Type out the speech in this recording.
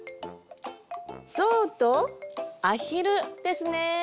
ゾウとアヒルですね。